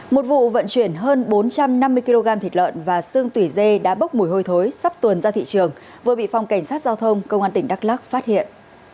một vụ vận chuyển hơn bốn trăm năm mươi kg thịt lợn và sương tủy dê đã bốc mùi hôi thối sắp tuần ra thị trường vừa bị phòng cảnh sát giao thông công an tỉnh đắk lắc phát hiện